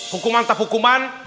hukuman tak hukuman